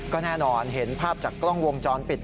ก็แน่นอนเห็นภาพจากกล้องวงจรปิด